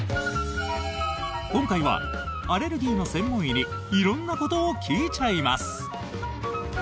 今回は、アレルギーの専門医に色んなことを聞いちゃいます！